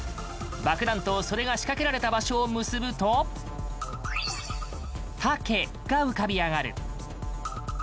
爆弾と、それが仕掛けられた場所を結ぶと「タケ」が浮かび上がる。